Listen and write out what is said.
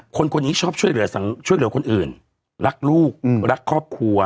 คนนี้ชอบช่วยเหลือคนอื่นรักลูกรักครอบครัว